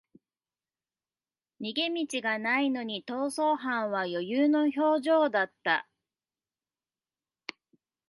逃げ道がないのに逃走犯は余裕の表情だった